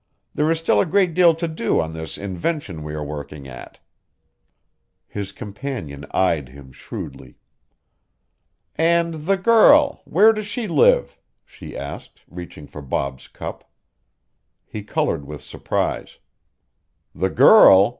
"There is still a great deal to do on this invention we are working at." His companion eyed him shrewdly. "And the girl where does she live?" she asked, reaching for Bob's cup. He colored with surprise. "The girl?"